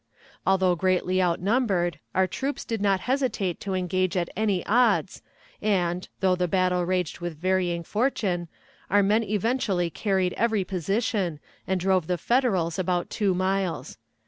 Although greatly outnumbered, our troops did not hesitate to engage at any odds, and, though the battle raged with varying fortune, our men eventually carried every position, and drove the Federals about two miles.